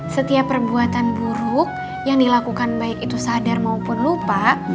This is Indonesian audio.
setiap perbuatan buruk yang dilakukan baik itu sadar maupun lupa